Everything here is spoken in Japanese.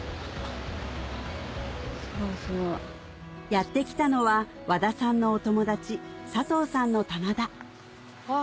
やって来たのは和田さんのお友達佐藤さんの棚田うわ